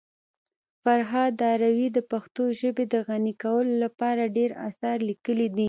فرهاد داوري د پښتو ژبي د غني کولو لپاره ډير اثار لیکلي دي.